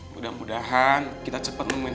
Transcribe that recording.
mudah mudahan kita cepet memintu